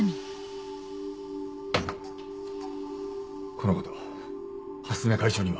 このこと橋爪会長には？